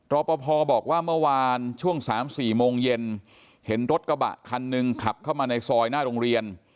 รอปภบอกว่าเมื่อวานช่วง๓๔โมงเย็นเห็นรถกระบะคันหนึ่งขับเข้ามาในซอยหน้าโรงเรียน